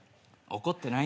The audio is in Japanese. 怒ってない。